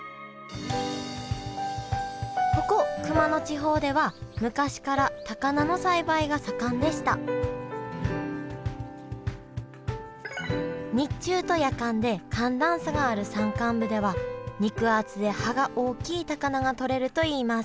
ここ熊野地方では昔から高菜の栽培が盛んでした日中と夜間で寒暖差がある山間部では肉厚で葉が大きい高菜がとれるといいます